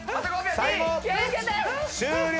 終了！